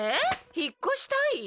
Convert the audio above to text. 引っ越したい？